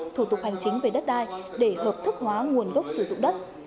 thủ tục hành chính về đất đai để hợp thức hóa nguồn gốc sử dụng đất